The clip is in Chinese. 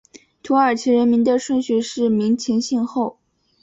土耳其人名的顺序是名前姓后。